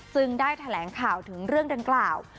ได้แถลงข่าวถึงเรื่องดังกล่าว